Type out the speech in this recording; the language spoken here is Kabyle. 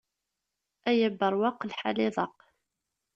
Ay aberwaq, lḥal iḍaq.